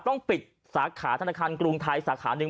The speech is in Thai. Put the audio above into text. ต้องปิดสาขาธนาคารกรุงไทยสาขาหนึ่ง